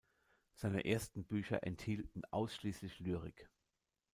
Seine ersten Bücher enthielten ausschließlich Lyrik.